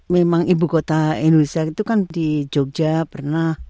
memang ibu kota indonesia itu kan di jogja pernah